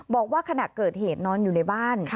บอกว่าขณะเกิดเหตุนอนอยู่ในบ้าน